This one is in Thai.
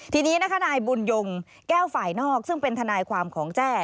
ทีนี้นะคะนายบุญยงแก้วฝ่ายนอกซึ่งเป็นทนายความของแจ้